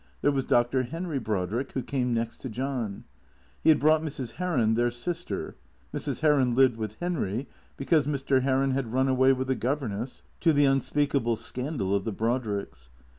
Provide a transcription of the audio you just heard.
There was Dr. Henry Brodrick, who came next to John. He had brought Mrs. Heron, their sister (Mrs. Heron lived with Henry, because Mr. Heron had run away with the governess, to the unspeakable scandal of the Brodricks).